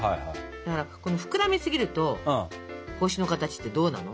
ただ膨らみすぎると星の形ってどうなの？